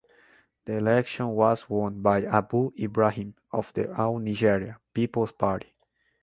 The election was won by Abu Ibrahim of the All Nigeria Peoples Party.